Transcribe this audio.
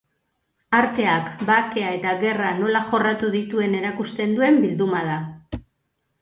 Arteak bakea eta gerra nola jorratu dituen erakusten duen bilduma da.